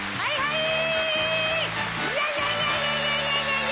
いやいやいやいや。